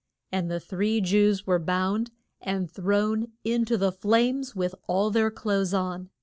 And the three Jews were bound and thrown in to the flames with all their clothes on.